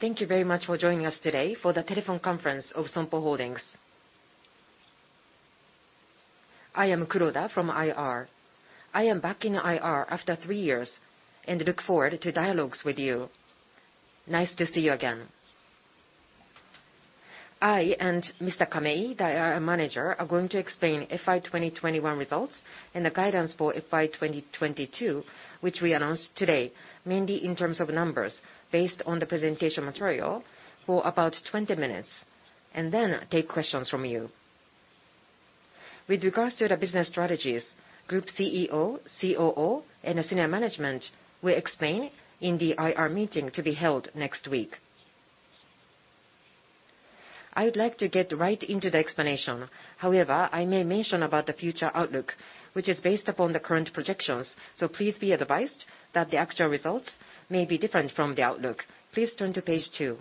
Thank you very much for joining us today for the telephone conference of Sompo Holdings. I am Kuroda from IR. I am back in IR after three years and look forward to dialogues with you. Nice to see you again. I and Mr. Kamei, the IR manager, are going to explain FY 2021 results and the guidance for FY 2022, which we announced today, mainly in terms of numbers, based on the presentation material for about 20 minutes, and then take questions from you. With regards to the business strategies, Group CEO, COO, and Senior Management will explain in the IR meeting to be held next week. I would like to get right into the explanation. However, I may mention about the future outlook, which is based upon the current projections, so please be advised that the actual results may be different from the outlook. Please turn to page two.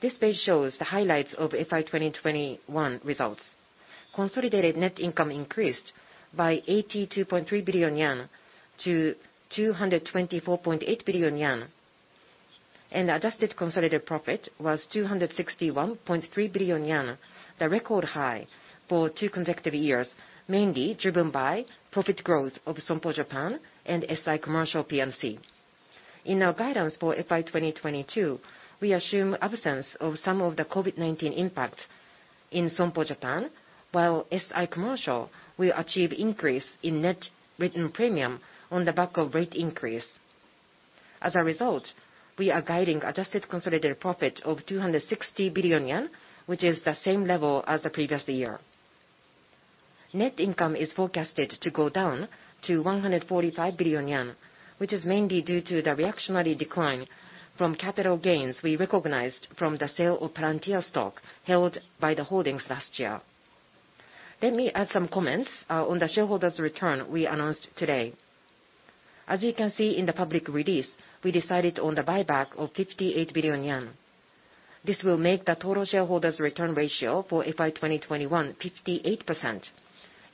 This page shows the highlights of FY 2021 results. Consolidated net income increased by 82.3 billion-224.8 billion yen. Adjusted consolidated profit was 261.3 billion yen, the record high for two consecutive years, mainly driven by profit growth of Sompo Japan and SI Commercial P&C. In our guidance for FY 2022, we assume absence of some of the COVID-19 impact in Sompo Japan, while SI Commercial will achieve increase in net written premium on the back of rate increase. As a result, we are guiding Adjusted consolidated profit of 260 billion yen, which is the same level as the previous year. Net income is forecasted to go down to 145 billion yen, which is mainly due to the reactionary decline from capital gains we recognized from the sale of Palantir stock held by the holdings last year. Let me add some comments on the shareholders' return we announced today. As you can see in the public release, we decided on the buyback of 58 billion yen. This will make the total shareholders' return ratio for FY 2021 58%.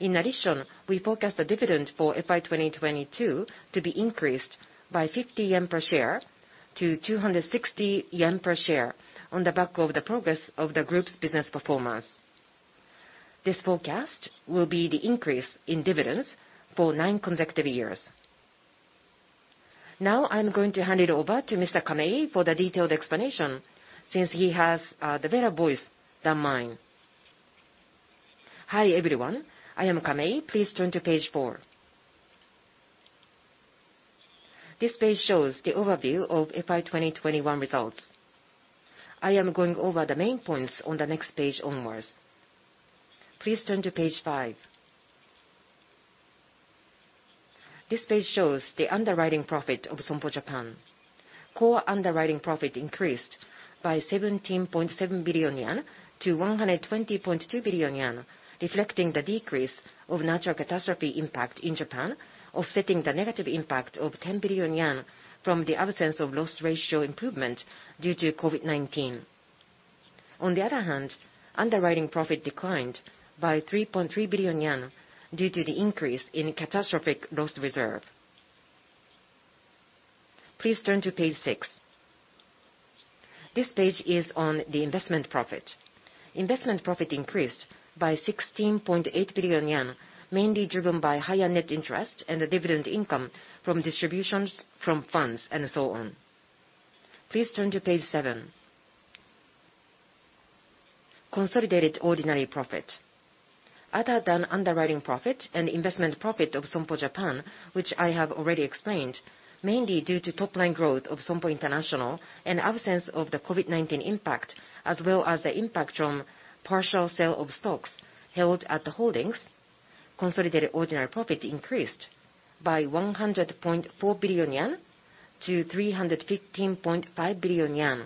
In addition, we forecast the dividend for FY 2022 to be increased by 50 yen per share to 260 yen per share on the back of the progress of the group's business performance. This forecast will be the increase in dividends for nine consecutive years. Now I'm going to hand it over to Mr. Kamei for the detailed explanation since he has, the better voice than mine. Hi, everyone. I am Kamei. Please turn to page four. This page shows the overview of FY 2021 results. I am going over the main points on the next page onwards. Please turn to page five. This page shows the underwriting profit of Sompo Japan. Core underwriting profit increased by 17.7 billion-120.2 billion yen, reflecting the decrease of natural catastrophe impact in Japan, offsetting the negative impact of 10 billion yen from the absence of loss ratio improvement due to COVID-19. On the other hand, underwriting profit declined by 3.3 billion yen due to the increase in catastrophic loss reserve. Please turn to page six. This page is on the investment profit. Investment profit increased by 16.8 billion yen, mainly driven by higher net interest and the dividend income from distributions from funds and so on. Please turn to page seven. Consolidated ordinary profit. Other than underwriting profit and investment profit of Sompo Japan, which I have already explained, mainly due to top line growth of Sompo International and absence of the COVID-19 impact, as well as the impact from partial sale of stocks held at the holdings, consolidated ordinary profit increased by JPY 100.4 billion-JPY 315.5 billion.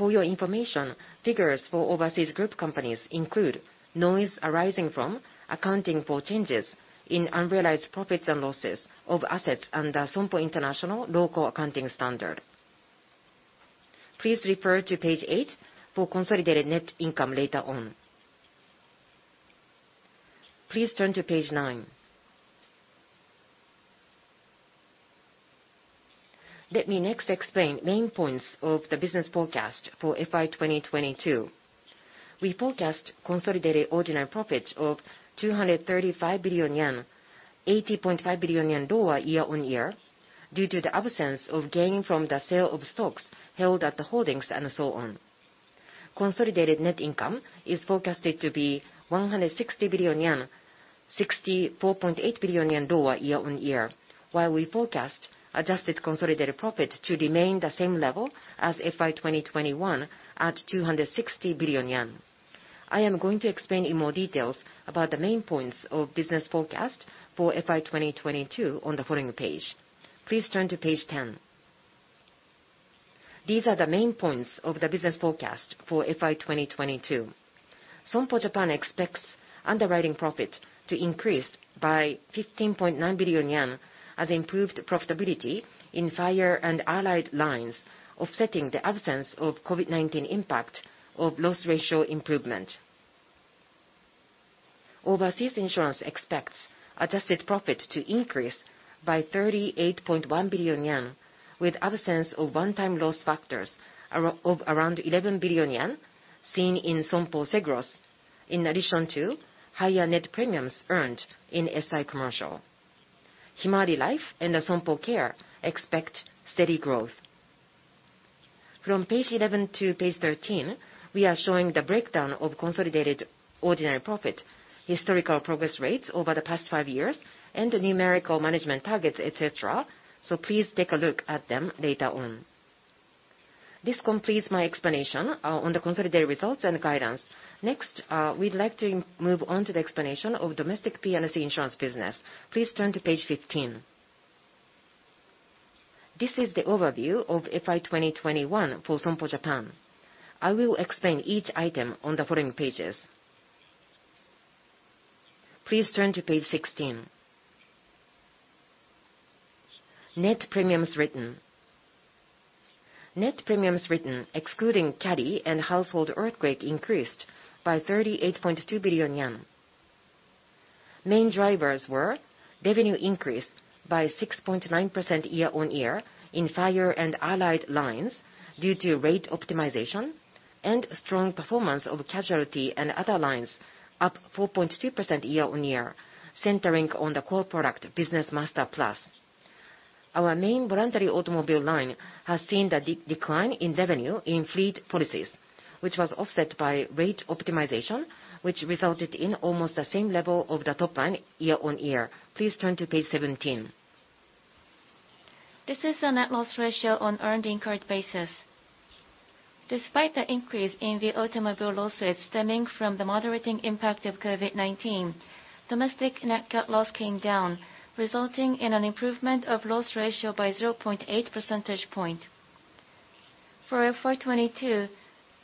For your information, figures for overseas group companies include noise arising from accounting for changes in unrealized profits and losses of assets under Sompo International local accounting standard. Please refer to page eight for consolidated net income later on. Please turn to page nine. Let me next explain main points of the business forecast for FY 2022. We forecast consolidated ordinary profit of 235 billion yen, 80.5 billion yen lower year-on-year due to the absence of gain from the sale of stocks held at the holdings and so on. Consolidated net income is forecasted to be 160 billion yen, 64.8 billion yen lower year on year, while we forecast Adjusted consolidated profit to remain the same level as FY 2021 at 260 billion yen. I am going to explain in more details about the main points of business forecast for FY 2022 on the following page. Please turn to page 10. These are the main points of the business forecast for FY 2022. Sompo Japan expects underwriting profit to increase by 15.9 billion yen as improved profitability in Fire and Allied Lines, offsetting the absence of COVID-19 impact of loss ratio improvement. Overseas insurance expects Adjusted profit to increase by 38.1 billion yen, with absence of one-time loss factors around 11 billion yen seen in Sompo Seguros, in addition to higher net premiums earned in SI Commercial. Himawari Life and Sompo Care expect steady growth. From page 11 to page 13, we are showing the breakdown of consolidated ordinary profit, historical progress rates over the past five years, and the numerical management targets, etc. Please take a look at them later on. This completes my explanation on the consolidated results and guidance. Next, we'd like to move on to the explanation of domestic P&C insurance business. Please turn to page 15. This is the overview of FY 2021 for Sompo Japan. I will explain each item on the following pages. Please turn to page 16. Net premiums written. Net premiums written excluding CALI and household earthquake increased by 38.2 billion yen. Main drivers were revenue increase by 6.9% year-on-year in Fire and Allied Lines due to rate optimization and strong performance of casualty and other lines up 4.2% year-on-year, centering on the core product Business Master Plus. Our main voluntary automobile line has seen the decline in revenue in fleet policies, which was offset by rate optimization, which resulted in almost the same level of the top line year-on-year. Please turn to page 17. This is the net loss ratio on earned incurred basis. Despite the increase in the automobile loss rates stemming from the moderating impact of COVID-19, domestic net loss came down, resulting in an improvement of loss ratio by 0.8 percentage point. For FY 2022,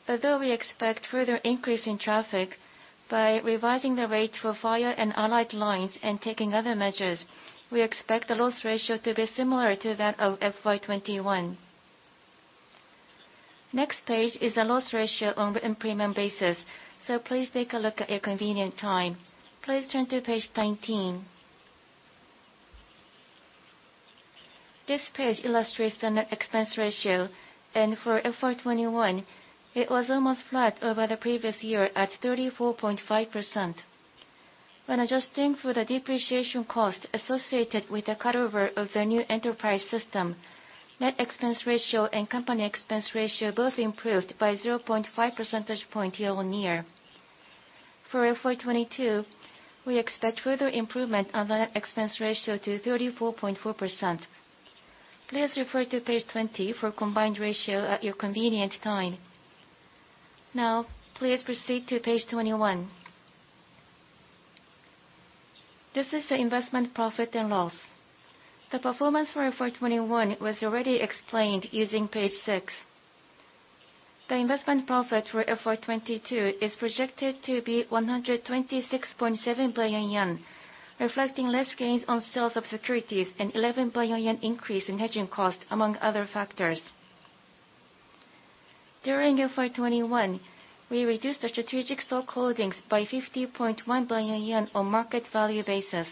although we expect further increase in traffic by revising the rate for Fire and Allied Lines and taking other measures, we expect the loss ratio to be similar to that of FY 2021. Next page is the loss ratio on written premium basis, so please take a look at your convenience. Please turn to page 19. This page illustrates the net expense ratio, and for FY2021 it was almost flat over the previous year at 34.5%. When adjusting for the depreciation cost associated with the cutover of the new enterprise system, net expense ratio and company expense ratio both improved by 0.5 percentage point year-on-year. For FY 2022, we expect further improvement on the expense ratio to 34.4%. Please refer to page 20 for combined ratio at your convenience. Now please proceed to page 21. This is the investment profit and loss. The performance for FY 2021 was already explained using page six. The investment profit for FY 2022 is projected to be 126.7 billion yen, reflecting less gains on sales of securities and 11 billion yen increase in hedging cost, among other factors. During FY 2021, we reduced our strategic stock holdings by 50.1 billion yen on market value basis,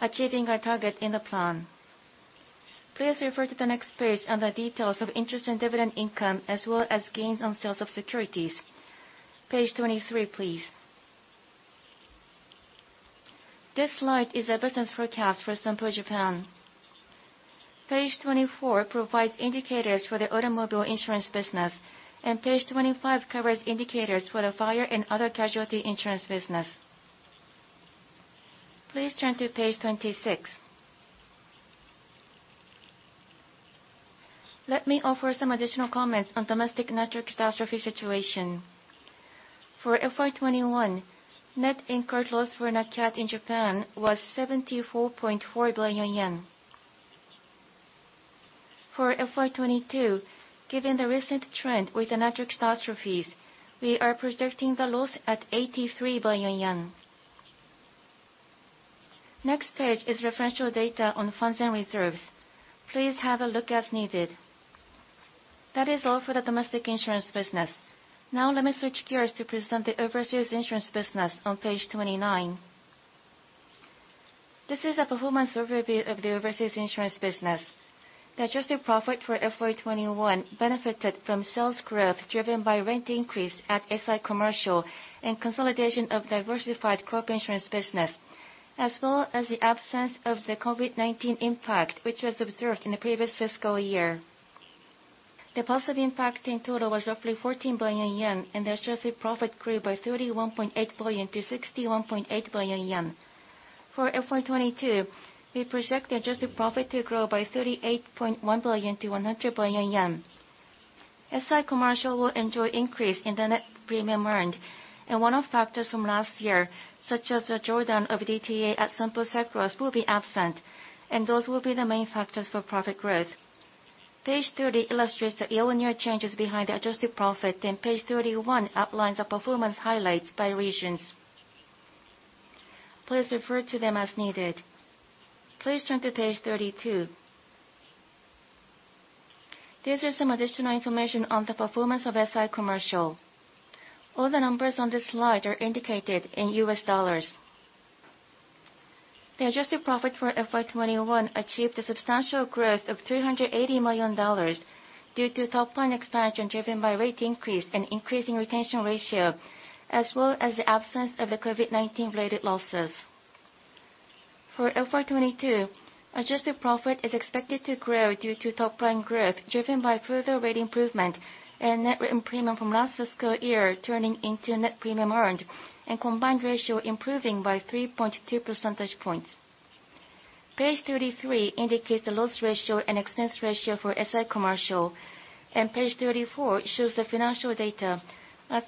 achieving our target in the plan. Please refer to the next page on the details of interest and dividend income as well as gains on sales of securities. Page 23, please. This slide is a business forecast for Sompo Japan. Page 24 provides indicators for the automobile insurance business, and page 25 covers indicators for the fire and other casualty insurance business. Please turn to page 26. Let me offer some additional comments on domestic natural catastrophe situation. For FY 2021, net incurred loss for Nat cat in Japan was 74.4 billion yen. For FY22, given the recent trend with the natural catastrophes, we are projecting the loss at 83 billion yen. Next page is reference data on funds and reserves. Please have a look as needed. That is all for the domestic insurance business. Now let me switch gears to present the overseas insurance business on page 29. This is a performance overview of the overseas insurance business. The Adjusted profit for FY 2021 benefited from sales growth driven by rate increase at SI Commercial and consolidation of Diversified Crop Insurance Services, as well as the absence of the COVID-19 impact, which was observed in the previous fiscal year. The positive impact in total was roughly 14 billion yen, and the Adjusted profit grew by 31.8 billion to 61.8 billion yen. For FY 2022, we project the Adjusted profit to grow by 38.1 billion to 100 billion yen. SI Commercial will enjoy an increase in the net premium earned, and one-off factors from last year, such as the drawdown of DTA at Sompo Seguros will be absent, and those will be the main factors for profit growth. Page 30 illustrates the year-on-year changes behind the Adjusted profit, and page 31 outlines the performance highlights by regions. Please refer to them as needed. Please turn to page 32. These are some additional information on the performance of SI Commercial. All the numbers on this slide are indicated in U.S. dollars. The Adjusted profit for FY 2021 achieved a substantial growth of $380 million due to top-line expansion driven by rate increase and increasing retention ratio, as well as the absence of the COVID-19 related losses. For FY 2022, Adjusted profit is expected to grow due to top line growth, driven by further rate improvement and net premiums written from last fiscal year turning into net premiums earned, and combined ratio improving by 3.2 percentage points. Page 33 indicates the loss ratio and expense ratio for SI Commercial, and page 34 shows the financial data.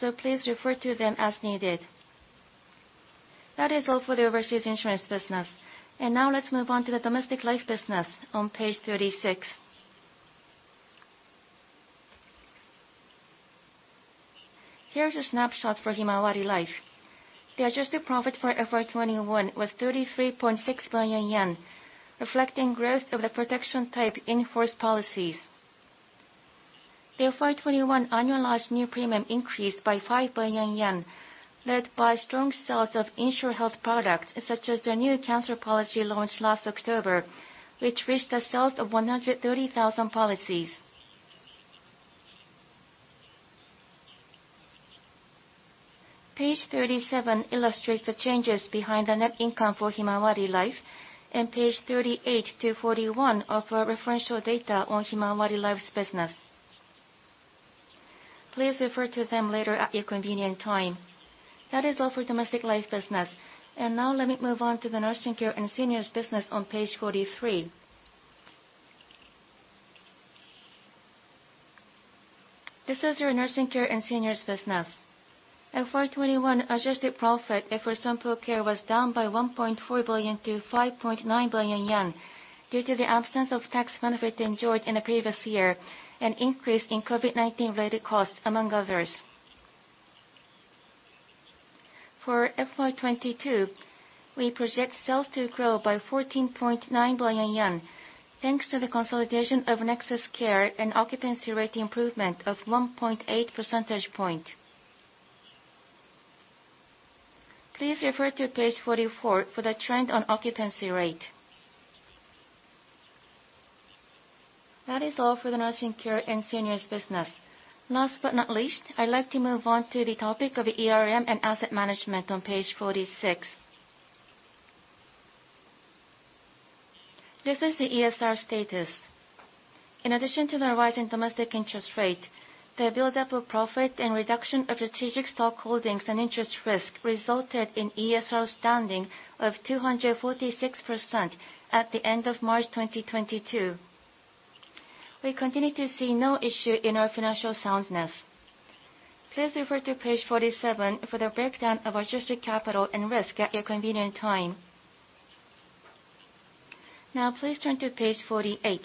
So please refer to them as needed. That is all for the overseas insurance business. Now let's move on to the domestic life business on page 36. Here's a snapshot for Sompo Himawari Life. The Adjusted profit for FY 2021 was 33.6 billion yen, reflecting growth of the protection type in-force policies. The FY 2021 annualized new premium increased by 5 billion yen, led by strong sales of Insurhealth products, such as the new cancer policy launched last October, which reached the sales of 130,000 policies. Page 37 illustrates the changes behind the net income for Sompo Himawari Life, and pages 38-41 offer referential data on Sompo Himawari Life's business. Please refer to them later at your convenient time. That is all for domestic life business. Now let me move on to the nursing care and seniors business on page 43. This is our nursing care and seniors business. FY 2021 Adjusted profit for Sompo Care was down by 1.4 billion-5.9 billion yen due to the absence of tax benefit enjoyed in the previous year, an increase in COVID-19 related costs, among others. For FY 2022, we project sales to grow by 14.9 billion yen, thanks to the consolidation of Nexus Care and occupancy rate improvement of 1.8 percentage point. Please refer to page 44 for the trend on occupancy rate. That is all for the nursing care and seniors business. Last but not least, I'd like to move on to the topic of ERM and asset management on page 46. This is the ESR status. In addition to the rising domestic interest rate, the build-up of profit and reduction of strategic stock holdings and interest risk resulted in ESR standing of 246% at the end of March 2022. We continue to see no issue in our financial soundness. Please refer to page 47 for the breakdown of Adjusted capital and risk at your convenient time. Now please turn to page 48.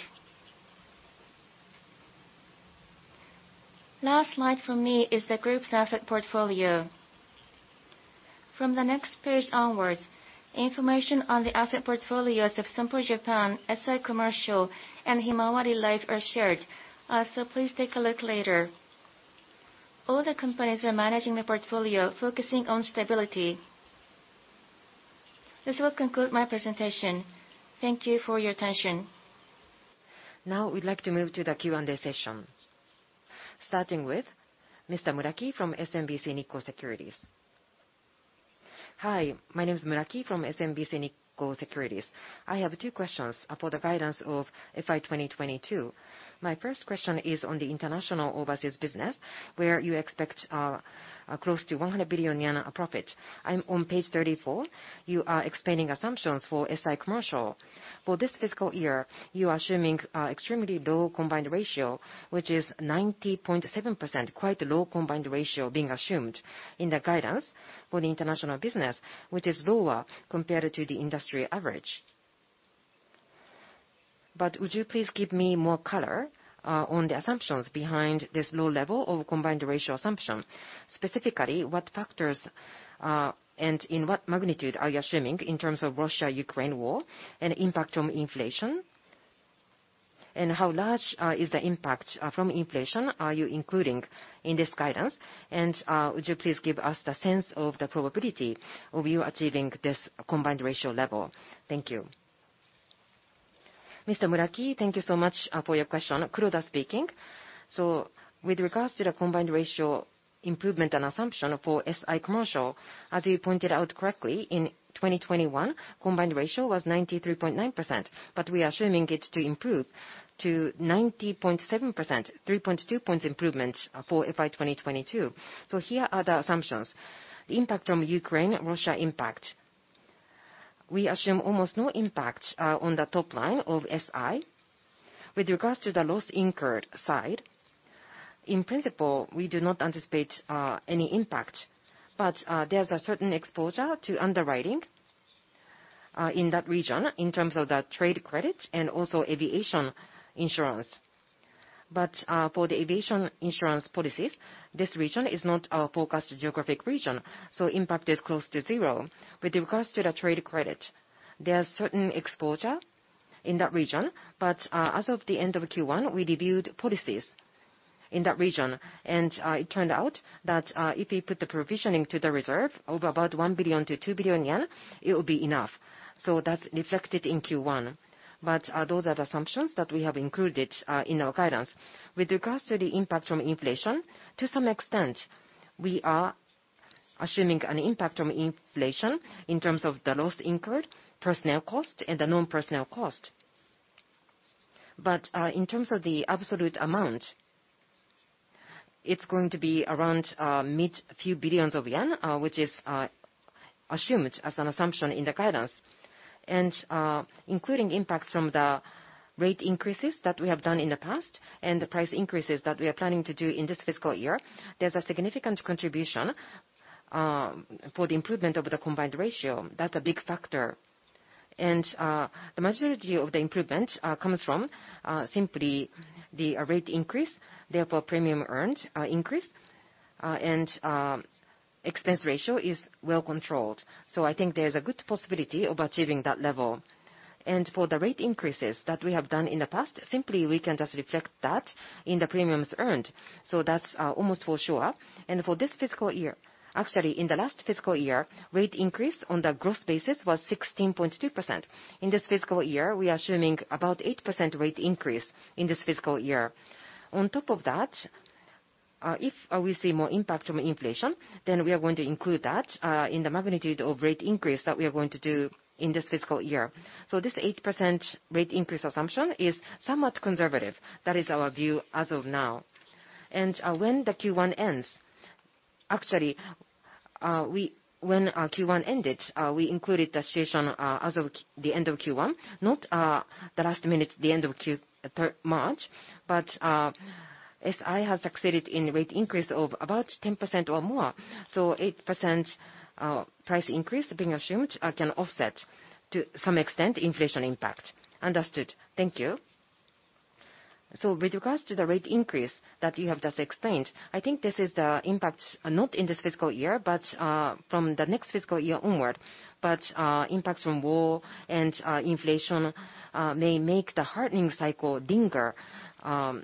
Last slide from me is the group's asset portfolio. From the next page onwards, information on the asset portfolios of Sompo Japan, SI Commercial, and Himawari Life are shared. Please take a look later. All the companies are managing the portfolio focusing on stability. This will conclude my presentation. Thank you for your attention. Now we'd like to move to the Q&A session, starting with Mr. Muraki from SMBC Nikko Securities. Hi, my name is Muraki from SMBC Nikko Securities. I have two questions for the guidance of FY 2022. My first question is on the international overseas business, where you expect close to 100 billion yen profit. On page 34, you are explaining assumptions for SI Commercial. For this fiscal year, you are assuming extremely low combined ratio, which is 90.7%, quite low combined ratio being assumed in the guidance for the international business, which is lower compared to the industry average. Would you please give me more color on the assumptions behind this low level of combined ratio assumption? Specifically, what factors and in what magnitude are you assuming in terms of Russia-Ukraine war and impact on inflation? How large is the impact from inflation are you including in this guidance? Would you please give us the sense of the probability of you achieving this combined ratio level? Thank you. Mr. Muraki, thank you so much for your question. Kuroda speaking. With regards to the combined ratio improvement and assumption for SI Commercial, as you pointed out correctly, in 2021, combined ratio was 93.9%, but we are assuming it to improve to 90.7%, 3.2 points improvement for FY 2022. Here are the assumptions. The impact from Ukraine, Russia impact, we assume almost no impact on the top line of SI. With regards to the loss incurred side, in principle, we do not anticipate any impact, but there's a certain exposure to underwriting in that region in terms of the Trade Credit and also Aviation Insurance. For the Aviation Insurance policies, this region is not our forecast geographic region, so impact is close to zero. With regards to the Trade Credit, there are certain exposure in that region, but as of the end of Q1, we reviewed policies in that region. It turned out that if you put the provisioning to the reserve of about 1 billion-2 billion yen, it will be enough. That's reflected in Q1. Those are the assumptions that we have included in our guidance. With regards to the impact from inflation, to some extent, we are assuming an impact from inflation in terms of the loss incurred, personnel cost, and the non-personnel cost. In terms of the absolute amount, it's going to be around a few billion JPY, which is assumed as an assumption in the guidance. Including impact from the rate increases that we have done in the past and the price increases that we are planning to do in this fiscal year, there's a significant contribution for the improvement of the combined ratio. That's a big factor. The majority of the improvement comes from simply the rate increase, therefore premium earned increase. Expense ratio is well-controlled. I think there's a good possibility of achieving that level. For the rate increases that we have done in the past, simply we can just reflect that in the premiums earned. That's almost for sure. For this fiscal year, actually, in the last fiscal year, rate increase on the gross basis was 16.2%. In this fiscal year, we are assuming about 8% rate increase in this fiscal year. On top of that, if we see more impact from inflation, then we are going to include that in the magnitude of rate increase that we are going to do in this fiscal year. This 8% rate increase assumption is somewhat conservative. That is our view as of now. When Q1 ends, actually, when Q1 ended, we included the situation as of the end of Q1, not the last minute the end of quarter March. SI has succeeded in rate increase of about 10% or more, so 8% price increase being assumed can offset to some extent inflation impact. Understood. Thank you. With regards to the rate increase that you have just explained, I think this is the impact not in this fiscal year, but from the next fiscal year onward. Impacts from war and inflation may make the hardening cycle linger for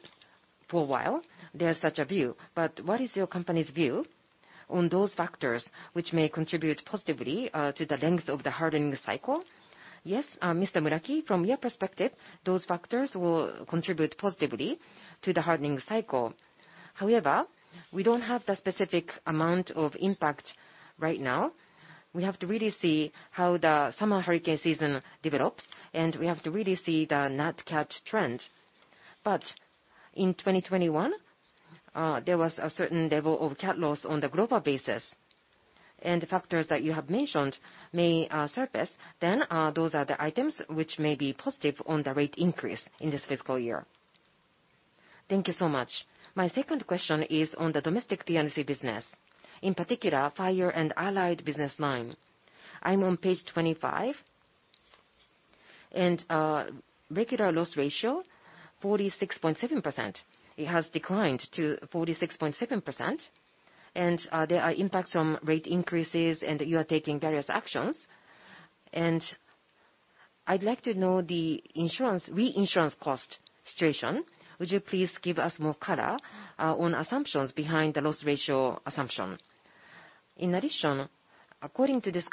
a while. There is such a view. What is your company's view on those factors which may contribute positively to the length of the hardening cycle? Yes. Mr. Muraki, from your perspective, those factors will contribute positively to the hardening cycle. However, we don't have the specific amount of impact right now. We have to really see how the summer hurricane season develops, and we have to really see the net cat trend. In 2021, there was a certain level of cat loss on the global basis, and the factors that you have mentioned may surface, then those are the items which may be positive on the rate increase in this fiscal year. Thank you so much. My second question is on the domestic P&C business, in particular, Fire and Allied Lines. I'm on page 25. Regular loss ratio, 46.7%. It has declined to 46.7%. There are impacts from rate increases, and you are taking various actions. I'd like to know the insurance, reinsurance cost situation. Would you please give us more color on assumptions behind the loss ratio assumption? In addition, according to this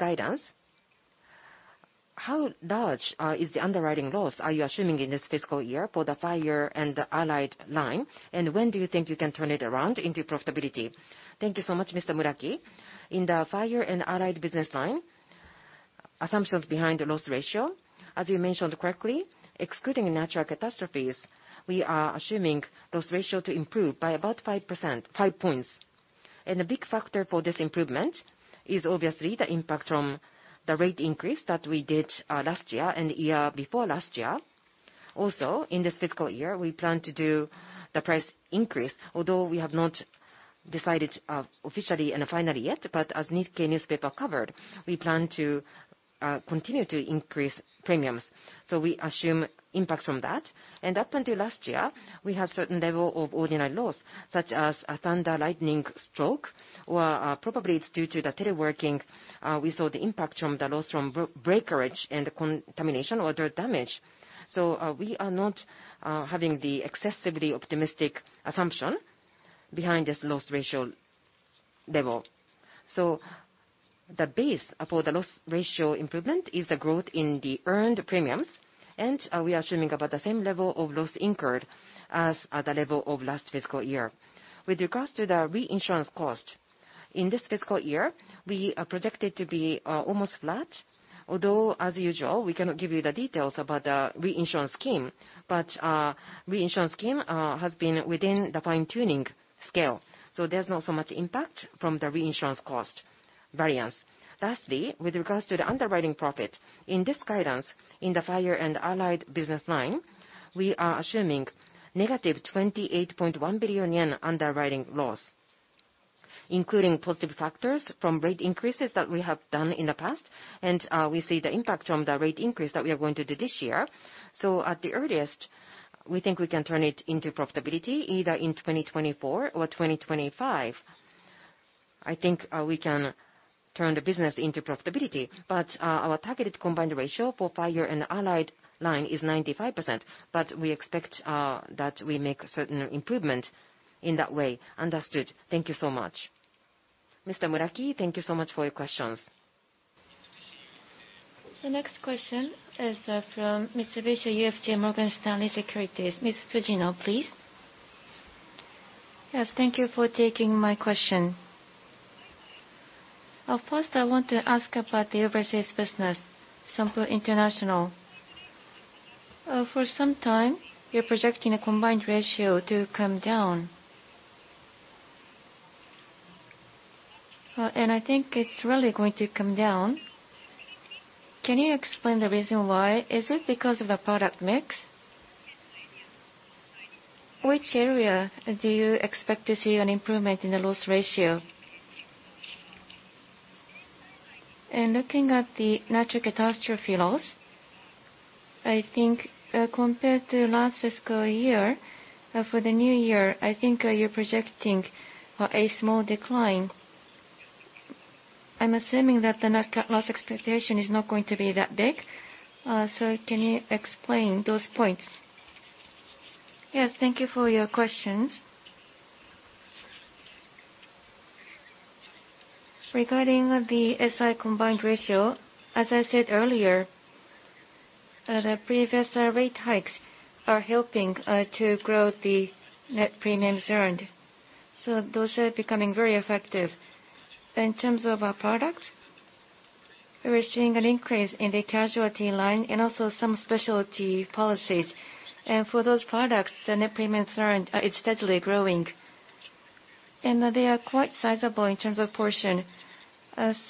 guidance, how large is the underwriting loss are you assuming in this fiscal year for the Fire and Allied Lines? And when do you think you can turn it around into profitability? Thank you so much, Mr. Muraki. In the Fire and Allied business line, assumptions behind the loss ratio, as you mentioned correctly, excluding natural catastrophes, we are assuming loss ratio to improve by about 5%, 5 points. The big factor for this improvement is obviously the impact from the rate increase that we did last year and the year before last year. Also, in this fiscal year, we plan to do the price increase. Although we have not decided officially and finally yet, but as Nikkei newspaper covered, we plan to continue to increase premiums. We assume impact from that. Up until last year, we have certain level of ordinary loss, such as a thunder, lightning stroke, or, probably it's due to the teleworking, we saw the impact from the loss from breakage and contamination or dirt damage. We are not having the excessively optimistic assumption behind this loss ratio level. The base for the loss ratio improvement is the growth in the earned premiums, and we are assuming about the same level of loss incurred as the level of last fiscal year. With regards to the reinsurance cost, in this fiscal year, we are projected to be almost flat. Although, as usual, we cannot give you the details about the reinsurance scheme. Reinsurance scheme has been within the fine-tuning scale, so there's not so much impact from the reinsurance cost variance. Lastly, with regards to the underwriting profit, in this guidance, in the Fire and Allied business line, we are assuming -28.1 billion yen underwriting loss, including positive factors from rate increases that we have done in the past, and we see the impact from the rate increase that we are going to do this year. At the earliest, we think we can turn it into profitability either in 2024 or 2025. I think, we can turn the business into profitability. Our targeted combined ratio for Fire and Allied Lines is 95%, but we expect, that we make certain improvement in that way. Understood. Thank you so much. Mr. Muraki, thank you so much for your questions. The next question is, from Mitsubishi UFJ Morgan Stanley Securities. Ms. Tsujino, please. Yes, thank you for taking my question. First I want to ask about the overseas business, Sompo International. For some time, you're projecting a combined ratio to come down. I think it's really going to come down. Can you explain the reason why? Is it because of the product mix? Which area do you expect to see an improvement in the loss ratio? Looking at the natural catastrophe loss, I think, compared to last fiscal year, for the new year, I think, you're projecting a small decline. I'm assuming that the net cat loss expectation is not going to be that big, so can you explain those points? Yes, thank you for your questions. Regarding the SI combined ratio, as I said earlier, the previous rate hikes are helping to grow the net premiums earned, so those are becoming very effective. In terms of our products, we're seeing an increase in the casualty line and also some specialty policies. For those products, the net premiums earned is steadily growing. They are quite sizable in terms of portion,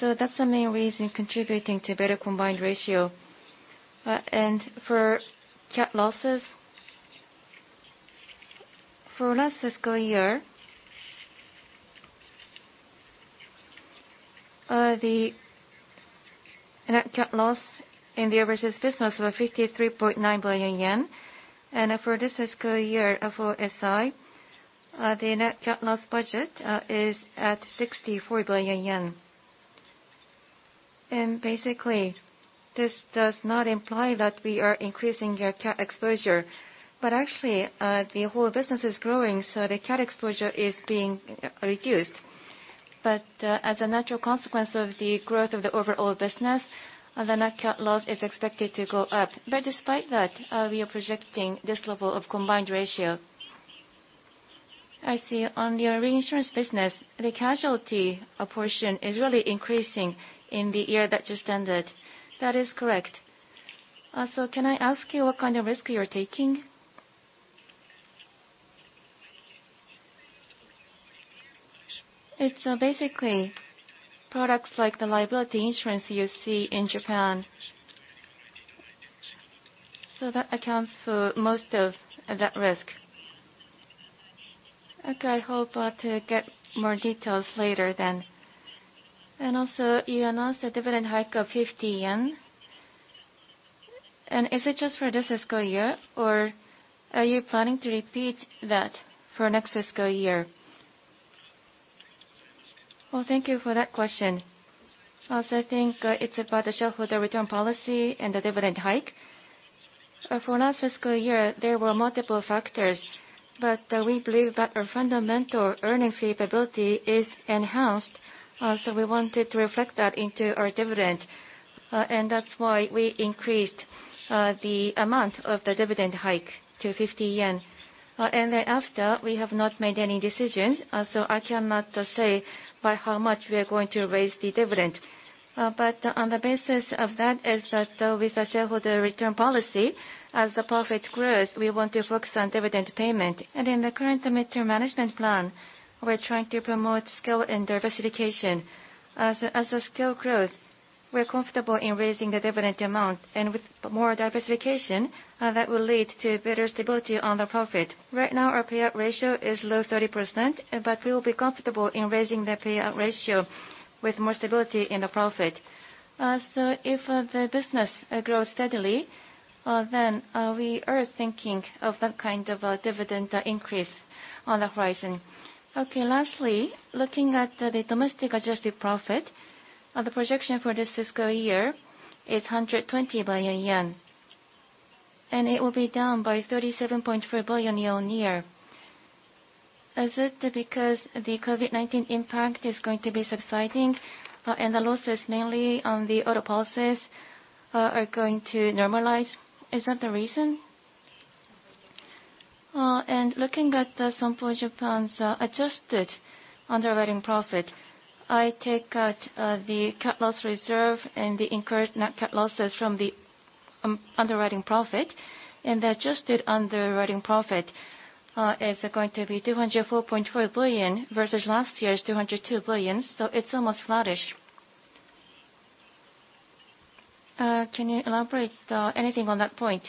so that's the main reason contributing to better combined ratio. For cat losses, for last fiscal year, the net cat loss in the overseas business was 53.9 billion yen. For this fiscal year for SI, the net cat loss budget is at 64 billion yen. Basically, this does not imply that we are increasing our cat exposure. But actually, the whole business is growing, so the cat exposure is being reduced. But as a natural consequence of the growth of the overall business, the net cat loss is expected to go up. But despite that, we are projecting this level of combined ratio. I see. On your reinsurance business, the casualty portion is really increasing in the year that just ended. That is correct. So can I ask you what kind of risk you're taking? It's basically products like the liability insurance you see in Japan. That accounts for most of that risk. Okay, I hope to get more details later then. You announced a dividend hike of 50 yen. Is it just for this fiscal year, or are you planning to repeat that for next fiscal year? Well, thank you for that question. Also, I think it's about the shareholder return policy and the dividend hike. For last fiscal year, there were multiple factors, but we believe that our fundamental earnings capability is enhanced, so we wanted to reflect that into our dividend. That's why we increased the amount of the dividend hike to 50 yen. Thereafter, we have not made any decisions, so I cannot say by how much we are going to raise the dividend. On the basis of that, with our shareholder return policy, as the profit grows, we want to focus on dividend payment. In the current mid-term management plan, we're trying to promote scale and diversification. As the scale grows, we're comfortable in raising the dividend amount, and with more diversification, that will lead to better stability on the profit. Right now, our payout ratio is low 30%. We will be comfortable in raising the payout ratio with more stability in the profit. If the business grows steadily, then we are thinking of that kind of a dividend increase on the horizon. Okay. Lastly, looking at the domestic Adjusted profit, the projection for this fiscal year is 120 billion yen, and it will be down by 37.4 billion yen year-on-year. Is it because the COVID-19 impact is going to be subsiding, and the losses mainly on the auto policies are going to normalize? Is that the reason? Looking at the Sompo Japan's Adjusted underwriting profit, I take out the cat loss reserve and the incurred net cat losses from the underwriting profit, and the Adjusted underwriting profit is going to be 204.4 billion versus last year's 202 billion, so it's almost flattish. Can you elaborate anything on that point?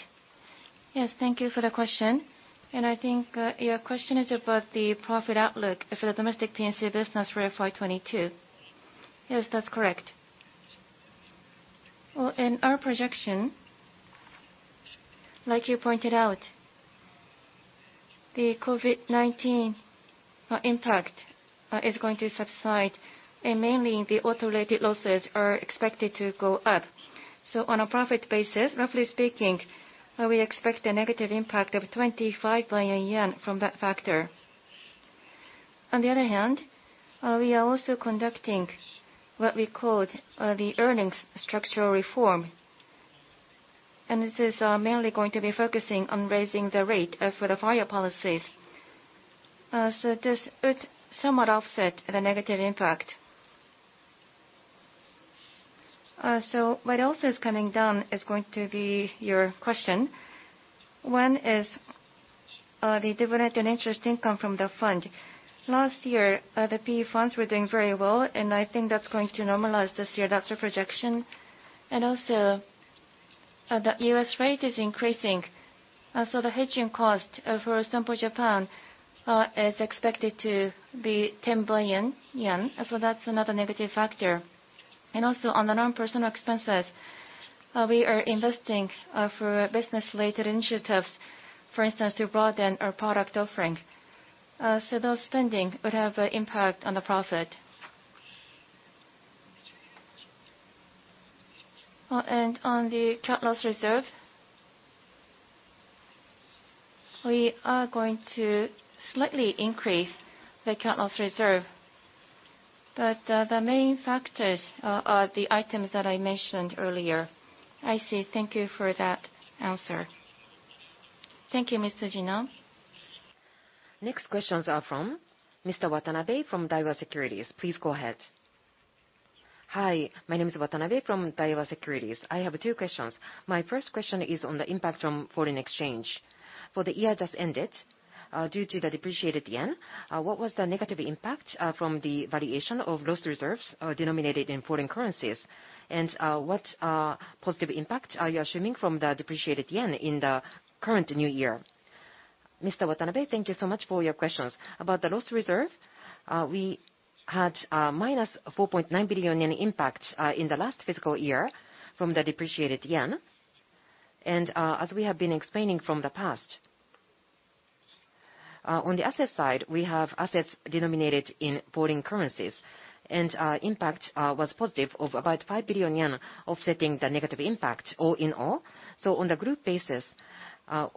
Yes, thank you for the question. I think your question is about the profit outlook for the domestic P&C business for FY 2022. Yes, that's correct. Well, in our projection, like you pointed out, the COVID-19 impact is going to subside, and mainly the auto-related losses are expected to go up. On a profit basis, roughly speaking, we expect a negative impact of 25 billion yen from that factor. On the other hand, we are also conducting what we call the earnings structure reform. This is mainly going to be focusing on raising the rate for the fire policies. What else is coming down is going to be your question. One is the dividend and interest income from the fund. Last year, the PE funds were doing very well, and I think that's going to normalize this year. That's our projection. Also, the U.S. rate is increasing, so the hedging cost for Sompo Japan is expected to be 10 billion yen. That's another negative factor. On the non-personnel expenses, we are investing for business-related initiatives, for instance, to broaden our product offering. Those spending would have an impact on the profit. On the cat loss reserve, we are going to slightly increase the cat loss reserve. The main factors are the items that I mentioned earlier. I see. Thank you for that answer. Thank you, Ms. Tsujino. Next questions are from Mr. Watanabe from Daiwa Securities. Please go ahead. Hi. My name is Watanabe from Daiwa Securities. I have two questions. My first question is on the impact from foreign exchange. For the year just ended, due to the depreciated yen, what was the negative impact from the variation of loss reserves denominated in foreign currencies? What positive impact are you assuming from the depreciated yen in the current new year? Mr. Watanabe, thank you so much for your questions. About the loss reserve, we had -4.9 billion impact in the last fiscal year from the depreciated yen. As we have been explaining from the past, on the asset side, we have assets denominated in foreign currencies. Impact was positive of about 5 billion yen, offsetting the negative impact all in all. On the group basis,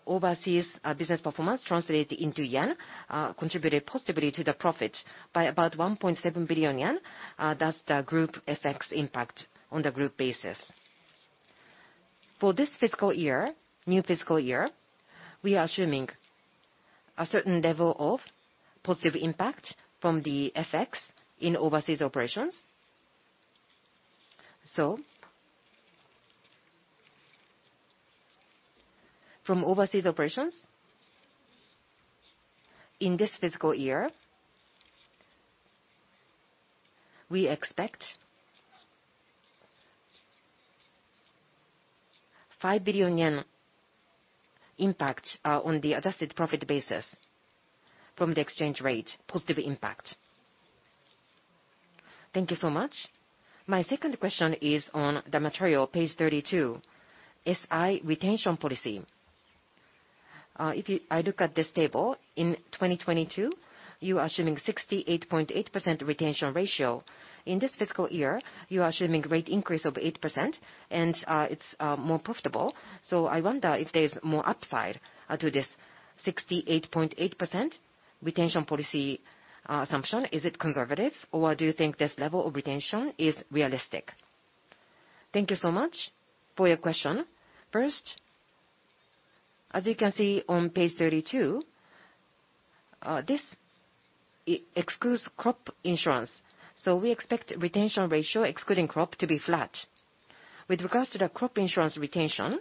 overseas business performance translated into yen contributed positively to the profit by about 1.7 billion yen. That's the group FX impact on the group basis. For this fiscal year, new fiscal year, we are assuming a certain level of positive impact from the FX in overseas operations. From overseas operations in this fiscal year, we expect 5 billion yen impact on the Adjusted profit basis from the exchange rate positive impact. Thank you so much. My second question is on the material page 32, SI retention policy. If you look at this table, in 2022, you are assuming 68.8% retention ratio. In this fiscal year, you are assuming rate increase of 8% and it's more profitable. I wonder if there's more upside to this 68.8% retention policy assumption. Is it conservative, or do you think this level of retention is realistic? Thank you so much for your question. First, as you can see on page 32, this excludes crop insurance. We expect retention ratio excluding crop to be flat. With regards to the crop insurance retention,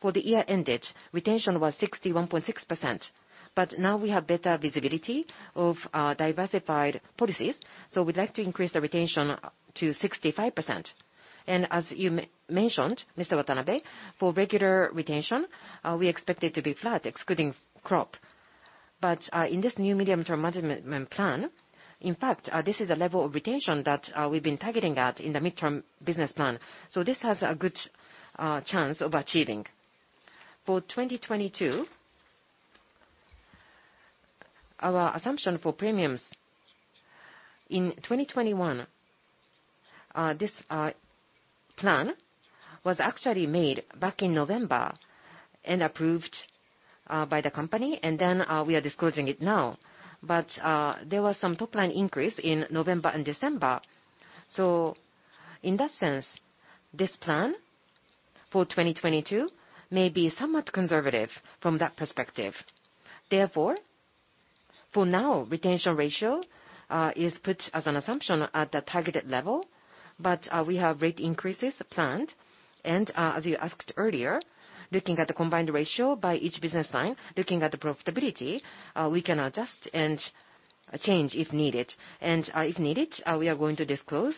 for the year ended, retention was 61.6%, but now we have better visibility of diversified policies. We'd like to increase the retention to 65%. As you mentioned, Mr. Watanabe, for regular retention, we expect it to be flat excluding crop. In this new Mid-Term Management Plan, in fact, this is a level of retention that we've been targeting at in the Mid-Term Management Plan. This has a good chance of achieving. For 2022, our assumption for premiums in 2021, this plan was actually made back in November and approved by the company, and then we are disclosing it now. There was some top-line increase in November and December. In that sense, this plan for 2022 may be somewhat conservative from that perspective. Therefore, for now, retention ratio is put as an assumption at the targeted level, but we have rate increases planned. As you asked earlier, looking at the combined ratio by each business line, looking at the profitability, we can adjust and change if needed. If needed, we are going to disclose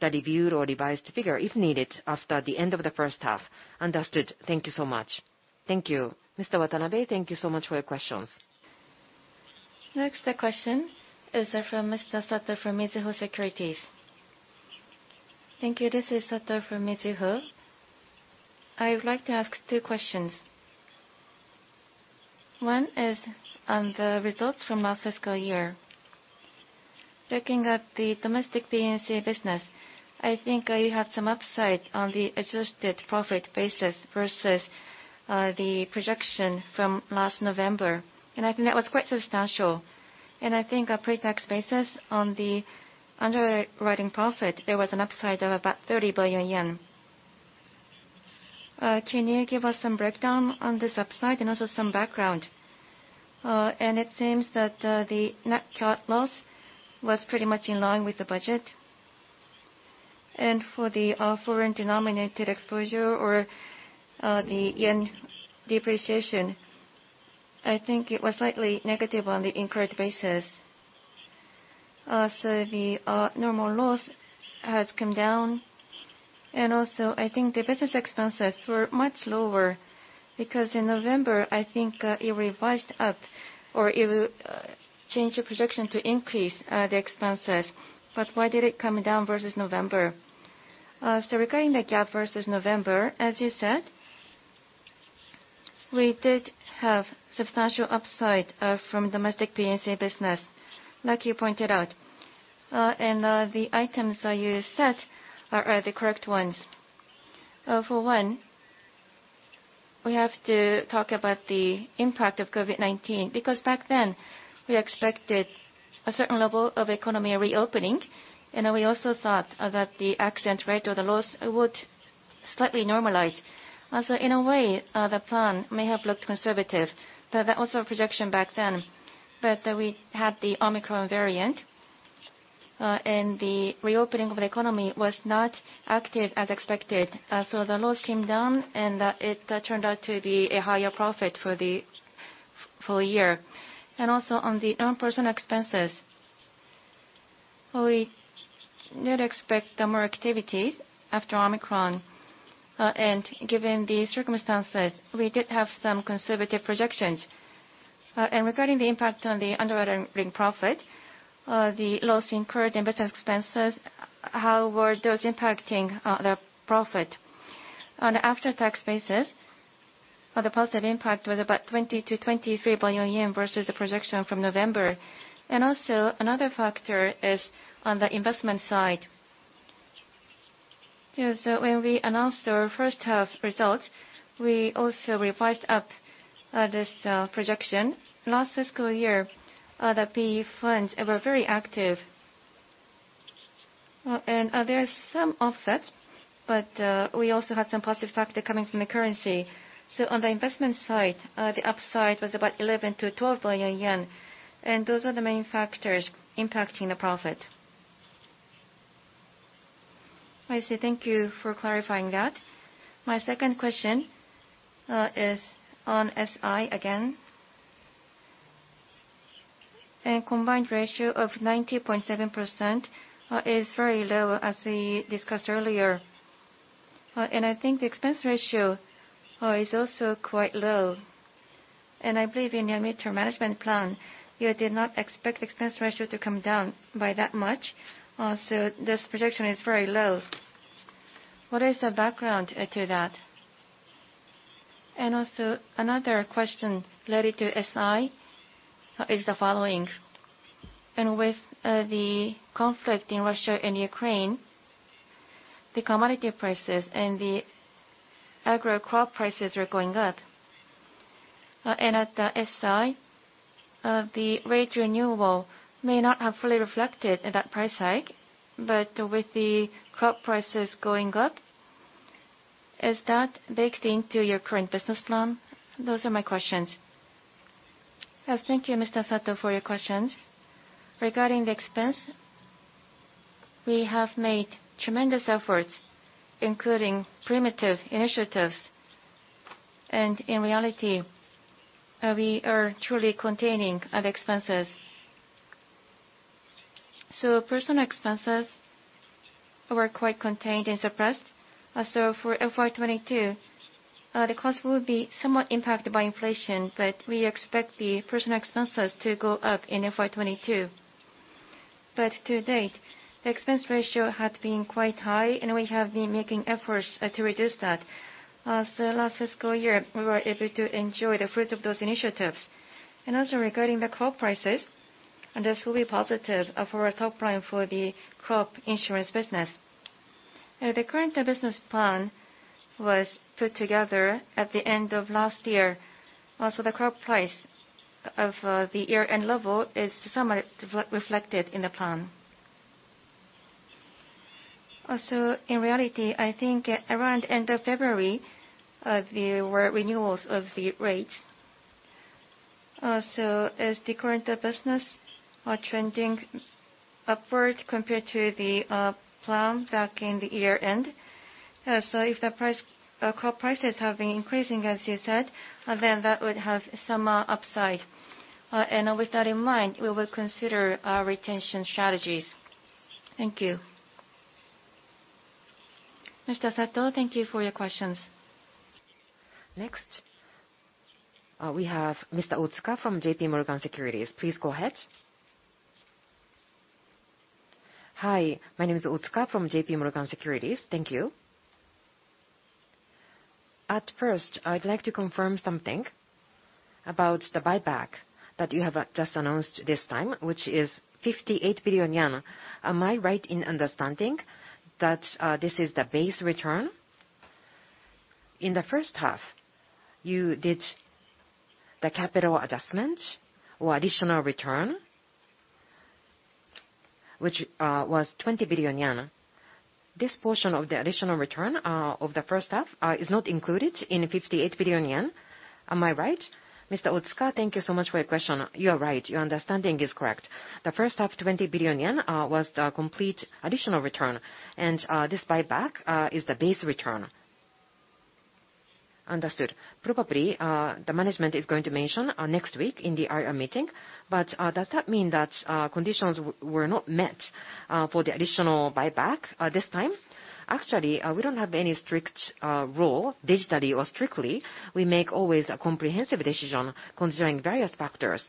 the reviewed or revised figure if needed after the end of the first half. Understood. Thank you so much. Thank you. Mr. Watanabe, thank you so much for your questions. Next question is from Mr. Sato for Mizuho Securities. Thank you. This is Sato from Mizuho. I would like to ask two questions. One is on the results from our fiscal year. Looking at the domestic P&C business, I think you have some upside on the Adjusted profit basis versus the projection from last November, and I think that was quite substantial. I think on pretax basis on the underwriting profit, there was an upside of about 30 billion yen. Can you give us some breakdown on this upside, and also some background? It seems that the net cat loss was pretty much in line with the budget. For the foreign-denominated exposure or the yen depreciation, I think it was slightly negative on the incurred basis. Also, the normal loss has come down. I think the business expenses were much lower because in November, I think, it revised up, or it, changed the projection to increase, the expenses. Why did it come down versus November? Regarding the gap versus November, as you said, we did have substantial upside from domestic P&C business, like you pointed out. The items that you set are the correct ones. For one, we have to talk about the impact of COVID-19 because back then we expected a certain level of economy reopening, and we also thought that the accident rate or the loss would slightly normalize. Also, in a way, the plan may have looked conservative, but that was our projection back then. We had the Omicron variant, and the reopening of the economy was not active as expected. The loss came down and it turned out to be a higher profit for the full year. On the non-personnel expenses, we did expect more activity after Omicron. Given the circumstances, we did have some conservative projections. Regarding the impact on the underwriting profit, the loss incurred in business expenses, how were those impacting the profit? On after-tax basis, the positive impact was about 20- 23 billion yen versus the projection from November. Another factor is on the investment side. You know, when we announced our first half results, we also revised up this projection. Last fiscal year, the PE funds were very active. There are some offsets, but we also had some positive factor coming from the currency. On the investment side, the upside was about 11 billion-12 billion yen, and those are the main factors impacting the profit. I see. Thank you for clarifying that. My second question is on SI again. Combined ratio of 90.7% is very low, as we discussed earlier. I think the expense ratio is also quite low. I believe in your Mid-Term Management Plan, you did not expect expense ratio to come down by that much, so this projection is very low. What is the background to that? Also another question related to SI is the following. With the conflict in Russia and Ukraine, the commodity prices and the agro crop prices are going up. At the SI, the rate renewal may not have fully reflected in that price hike, but with the crop prices going up, is that baked into your current business plan? Those are my questions. Yes. Thank you, Mr. Sato, for your questions. Regarding the expense, we have made tremendous efforts, including proactive initiatives. In reality, we are truly containing our expenses. Personnel expenses were quite contained and suppressed. For FY 2022, the cost will be somewhat impacted by inflation, but we expect the personnel expenses to go up in FY 2022. To date, the expense ratio had been quite high, and we have been making efforts to reduce that. Last fiscal year, we were able to enjoy the fruits of those initiatives. Also regarding the crop prices, and this will be positive for our top line for the crop insurance business. The current business plan was put together at the end of last year. Also, the crop price of the year-end level is somewhat reflected in the plan. Also, in reality, I think around end of February, there were renewals of the rates. As the current business are trending upward compared to the plan back in the year-end. If the crop prices have been increasing as you said, then that would have some upside. With that in mind, we will consider our retention strategies. Thank you. Mr. Sato, thank you for your questions. Next, we have Mr. Otsuka from J.P. Morgan Securities. Please go ahead. Hi, my name is Otsuka from J.P. Morgan Securities. Thank you. At first, I'd like to confirm something about the buyback that you have just announced this time, which is 58 billion yen. Am I right in understanding that this is the base return? In the first half, you did the capital adjustment or additional return which was 20 billion yen. This portion of the additional return of the first half is not included in 58 billion yen. Am I right? Mr. Otsuka, thank you so much for your question. You are right. Your understanding is correct. The first half, 20 billion yen, was the complete additional return and this buyback is the base return. Understood. Probably, the management is going to mention next week in the IR meeting, but does that mean that conditions were not met for the additional buyback this time? Actually, we don't have any strict rule digitally or strictly. We make always a comprehensive decision considering various factors.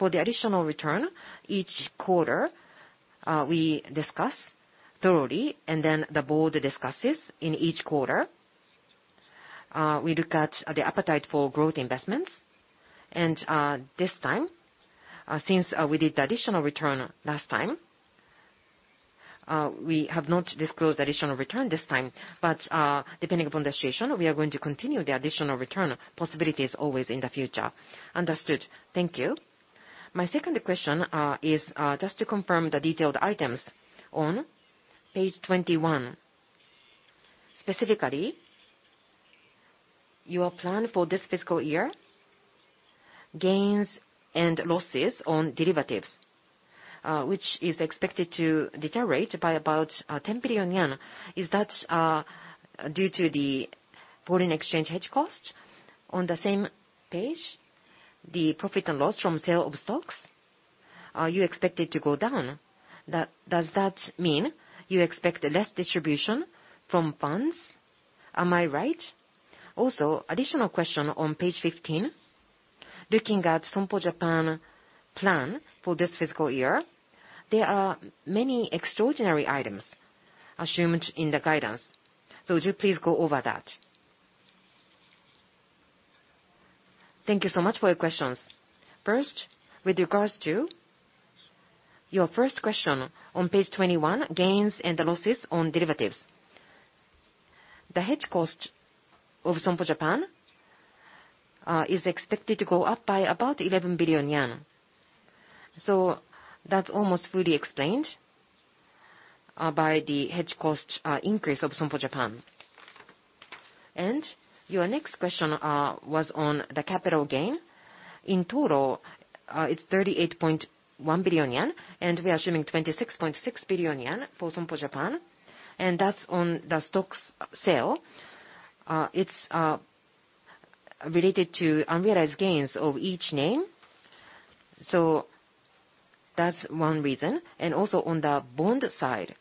For the additional return, each quarter, we discuss thoroughly and then the board discusses in each quarter. We look at the appetite for growth investments. This time, since we did the additional return last time, we have not disclosed additional return this time. But depending upon the situation, we are going to continue the additional return possibilities always in the future. Understood. Thank you. My second question is just to confirm the detailed items on page 21. Specifically, your plan for this fiscal year, gains and losses on derivatives, which is expected to deteriorate by about 10 billion yen. Is that due to the foreign exchange hedge cost? On the same page, the profit and loss from sale of stocks, are you expected to go down? That does that mean you expect less distribution from funds? Am I right? Also, additional question on page 15. Looking at Sompo Japan plan for this fiscal year, there are many extraordinary items assumed in the guidance. Would you please go over that? Thank you so much for your questions. First, with regards to your first question on page 21, gains and losses on derivatives. The hedge cost of Sompo Japan is expected to go up by about 11 billion yen. That's almost fully explained by the hedge cost increase of Sompo Japan. Your next question was on the capital gain. In total, it's 38.1 billion yen, and we are assuming 26.6 billion yen for Sompo Japan, and that's on the stocks sale. It's related to unrealized gains of each name. So that's one reason. Also on the bond side,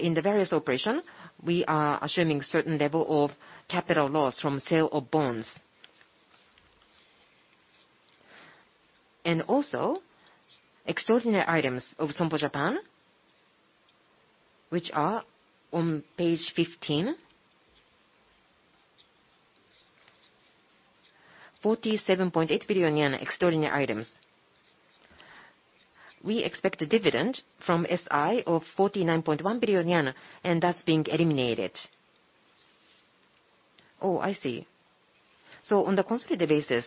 in the various operation, we are assuming certain level of capital loss from sale of bonds. Also, extraordinary items of Sompo Japan, which are on page 15. 47.8 billion yen extraordinary items. We expect a dividend from SI of 49.1 billion yen, and that's being eliminated. Oh, I see. So on the consolidated basis,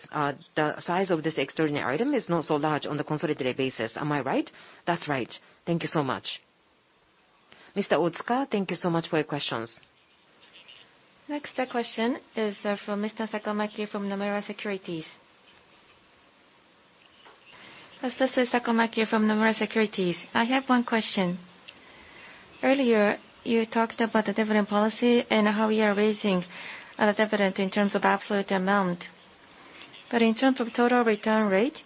the size of this extraordinary item is not so large on the consolidated basis. Am I right? That's right. Thank you so much. Mr. Otsuka, thank you so much for your questions. Next question is from Mr. Sakamaki from Nomura Securities. This is Sakamaki from Nomura Securities. I have one question. Earlier, you talked about the dividend policy and how we are raising dividend in terms of absolute amount. But in terms of total return rate,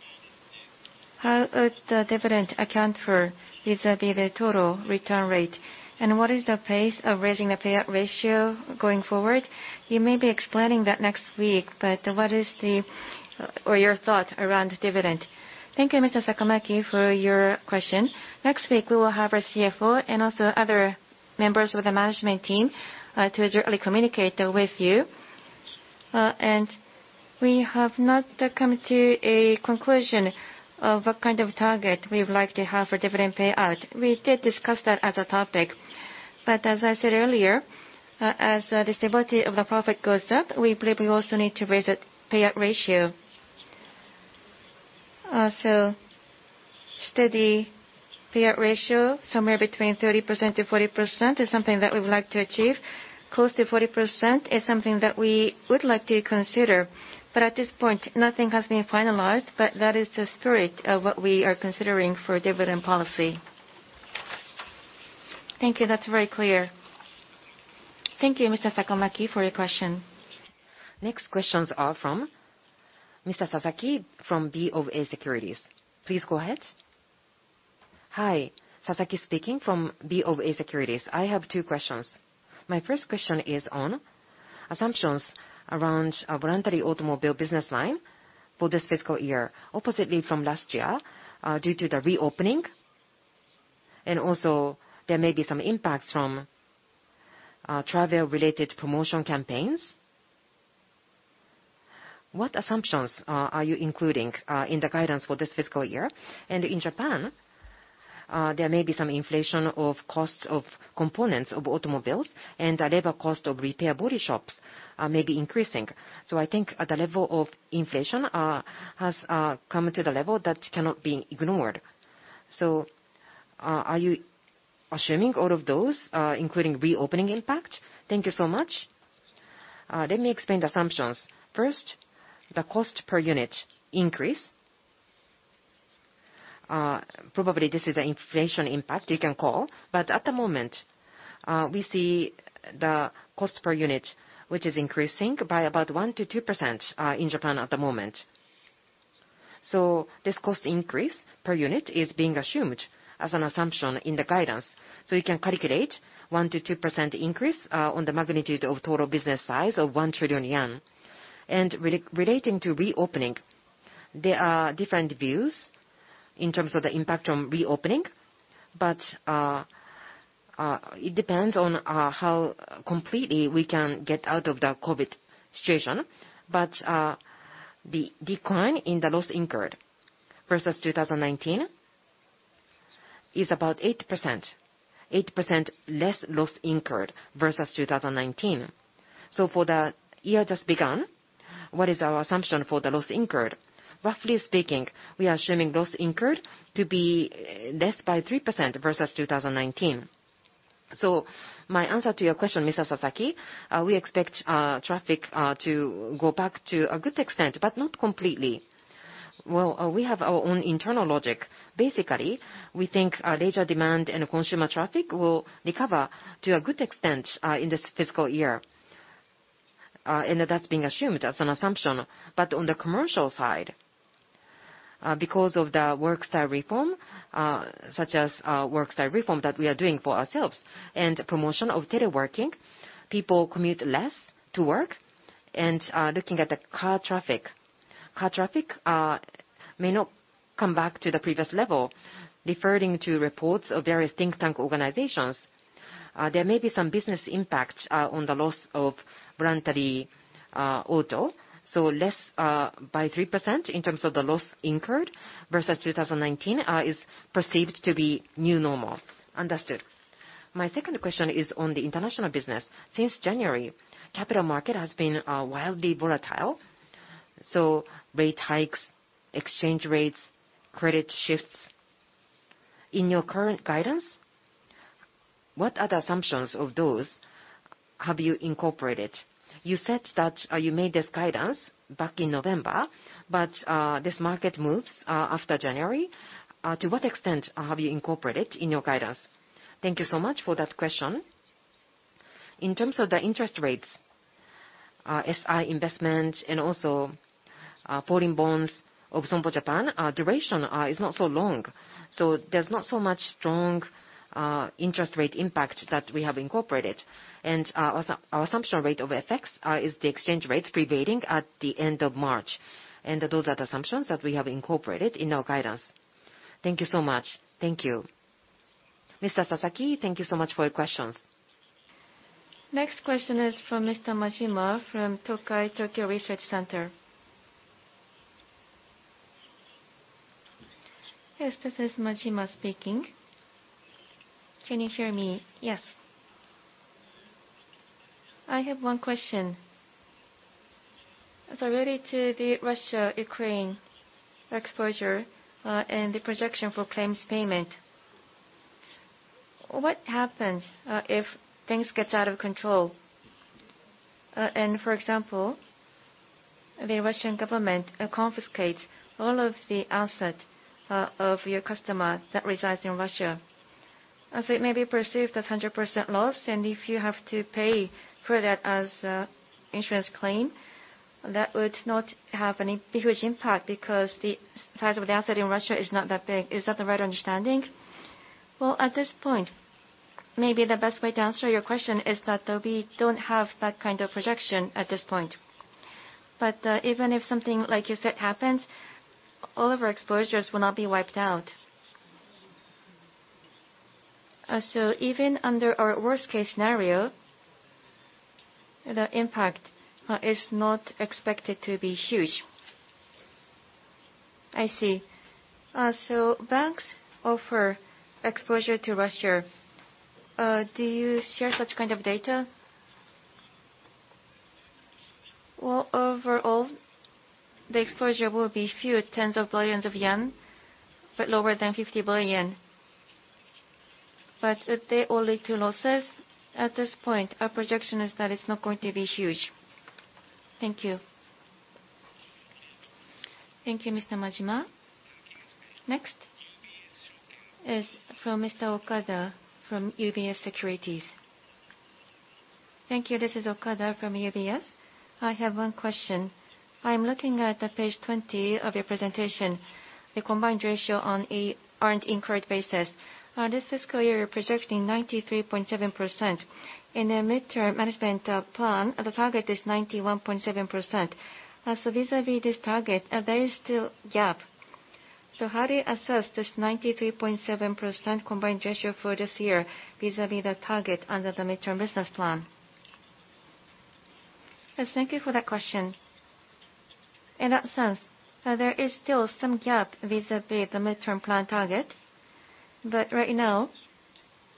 how would the dividend account for vis-à-vis the total return rate? And what is the pace of raising the payout ratio going forward? You may be explaining that next week, but, or your thought around dividend? Thank you, Mr. Sakamaki, for your question. Next week, we will have our CFO and also other members of the management team to directly communicate with you. We have not come to a conclusion of what kind of target we would like to have for dividend payout. We did discuss that as a topic, but as I said earlier, as the stability of the profit goes up, we believe we also need to raise the payout ratio. Steady payout ratio, somewhere between 30%-40% is something that we would like to achieve. Close to 40% is something that we would like to consider. At this point, nothing has been finalized, but that is the spirit of what we are considering for dividend policy. Thank you. That's very clear. Thank you, Mr. Sakamaki, for your question. Next questions are from Mr. Sasaki from BofA Securities. Please go ahead. Hi, Sasaki speaking from BofA Securities. I have two questions. My first question is on assumptions around our voluntary automobile business line for this fiscal year. Oppositely from last year, due to the reopening, and also there may be some impacts from, travel-related promotion campaigns. What assumptions, are you including, in the guidance for this fiscal year? In Japan, there may be some inflation of costs of components of automobiles, and the labor cost of repair body shops, may be increasing. I think the level of inflation, has, come to the level that cannot be ignored. Are you assuming all of those, including reopening impact? Thank you so much. Let me explain the assumptions. First, the cost per unit increase. Probably this is an inflation impact you can call, but at the moment, we see the cost per unit, which is increasing by about 1%-2%, in Japan at the moment. This cost increase per unit is being assumed as an assumption in the guidance. You can calculate 1%-2% increase, on the magnitude of total business size of 1 trillion yen. Relating to reopening, there are different views in terms of the impact on reopening. It depends on, how completely we can get out of the COVID situation. The decline in the loss incurred versus 2019 is about 8%. 8% less loss incurred versus 2019. For the year just begun, what is our assumption for the loss incurred? Roughly speaking, we are assuming loss incurred to be less by 3% versus 2019. My answer to your question, Mr. Sasaki, we expect traffic to go back to a good extent, but not completely. Well, we have our own internal logic. Basically, we think our leisure demand and consumer traffic will recover to a good extent in this fiscal year. And that's being assumed as an assumption. On the commercial side, because of the work style reform, such as work style reform that we are doing for ourselves and promotion of teleworking, people commute less to work and looking at the car traffic. Car traffic may not come back to the previous level. Referring to reports of various think tank organizations, there may be some business impact on the loss of voluntary auto. Less by 3% in terms of the loss incurred versus 2019 is perceived to be new normal. Understood. My second question is on the international business. Since January, capital markets have been wildly volatile. Rate hikes, exchange rates, credit shifts. In your current guidance, what other assumptions of those have you incorporated? You said that you made this guidance back in November, but this market moves after January. To what extent have you incorporated in your guidance? Thank you so much for that question. In terms of the interest rates, SI investment and also falling bonds of Sompo Japan, duration is not so long. There's not so much strong interest rate impact that we have incorporated. Our assumption rate of FX is the exchange rate prevailing at the end of March. Those are the assumptions that we have incorporated in our guidance. Thank you so much. Thank you. Mr. Sasaki, thank you so much for your questions. Next question is from Mr. Majima from Tokai Tokyo Research Center. Yes, this is Majima speaking. Can you hear me? Yes. I have one question. Related to the Russia-Ukraine exposure, and the projection for claims payment, what happens if things gets out of control? For example, the Russian government confiscates all of the asset of your customer that resides in Russia. As it may be perceived as 100% loss, and if you have to pay for that as a insurance claim, that would not have any huge impact because the size of the asset in Russia is not that big. Is that the right understanding? Well, at this point, maybe the best way to answer your question is that though we don't have that kind of projection at this point. Even if something like you said happens, all of our exposures will not be wiped out. Even under our worst-case scenario, the impact is not expected to be huge. I see. Banks offer exposure to Russia. Do you share such kind of data? Well, overall, the exposure will be few tens of billions of JPY, but lower than 50 billion. Would they all lead to losses? At this point, our projection is that it's not going to be huge. Thank you. Thank you, Mr. Majima. Next is from Mr. Okada from UBS Securities. Thank you. This is Okada from UBS. I have one question. I'm looking at page 20 of your presentation, the combined ratio on a earned incurred basis. On this fiscal year, you're projecting 93.7%. In the Mid-Term Management Plan, the target is 91.7%. Vis-à-vis this target, there is still gap. How do you assess this 93.7% combined ratio for this year vis-à-vis the target under the Mid-Term Management Plan? Yes, thank you for that question. In that sense, there is still some gap vis-à-vis the Mid-Term Plan target. Right now,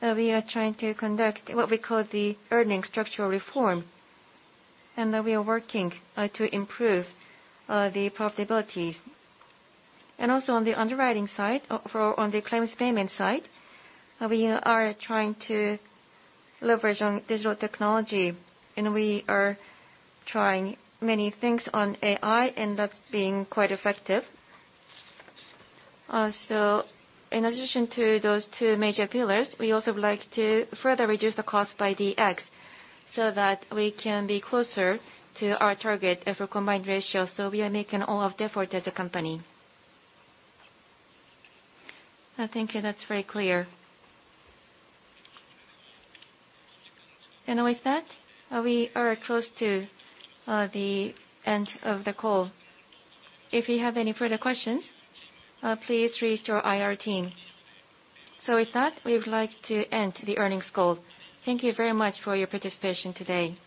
we are trying to conduct what we call the Earnings Structure Reform. We are working to improve the profitability. Also on the underwriting side, and on the claims payment side, we are trying to leverage on digital technology. We are trying many things on AI, and that's being quite effective. In addition to those two major pillars, we also would like to further reduce the cost by DX so that we can be closer to our target of a combined ratio. We are making all of the effort as a company. Thank you. That's very clear. With that, we are close to the end of the call. If you have any further questions, please reach to our IR team. With that, we would like to end the earnings call. Thank you very much for your participation today.